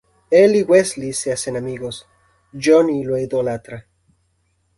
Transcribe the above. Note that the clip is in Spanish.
Él y Wesley se hacen amigos, Johnny lo idolatra.